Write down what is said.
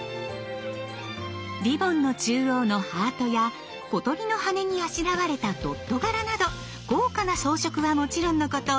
リボンの中央のハートや小鳥の羽にあしらわれたドット柄など豪華な装飾はもちろんのこと